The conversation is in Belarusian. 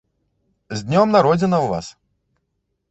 З днём народзінаў, вас!